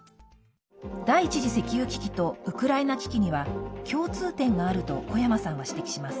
第１次石油危機とウクライナ危機には共通点があると小山さんは指摘します。